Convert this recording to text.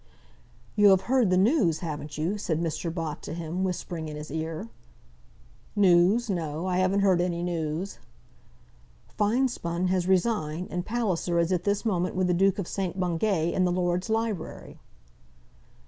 "You have heard the news; haven't you?" said Mr. Bott to him, whispering in his ear. "News; no. I haven't heard any news." "Finespun has resigned, and Palliser is at this moment with the Duke of St. Bungay in the Lords' library."